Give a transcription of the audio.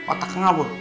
otak kengal loh